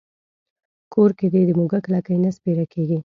کور کې دې د موږک لکۍ نه سپېره کېږي.